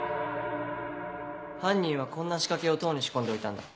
犯人はこんな仕掛けを塔に仕込んでおいたんだ。